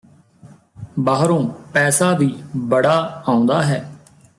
ਬਾਹਰੋਂ ਪੈਸਾ ਵੀ ਬੜਾ ਆਉਂਦਾ ਹੈ